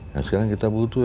yang sekarang kita butuh